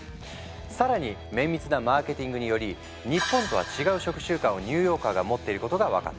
更に綿密なマーケティングにより日本とは違う食習慣をニューヨーカーが持っていることが分かった。